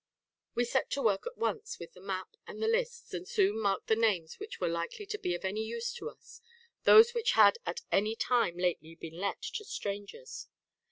We set to work at once with the map and the lists; and soon marked the names which were likely to be of any use to us, those which had at any time lately been let to strangers.